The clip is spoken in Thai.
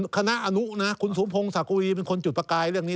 คณะอนุนะคุณสมพงศักวีเป็นคนจุดประกายเรื่องนี้